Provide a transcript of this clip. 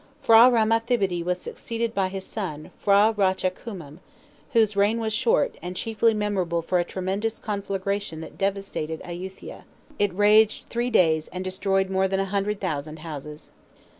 P'hra Rama Thibodi was succeeded by his son, P'hra Racha Kuman, whose reign was short, and chiefly memorable for a tremendous conflagration that devastated Ayuthia. It raged three days, and destroyed more than a hundred thousand houses.